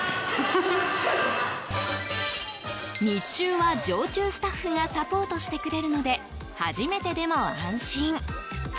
日中は常駐スタッフがサポートしてくれるので初めてでも安心。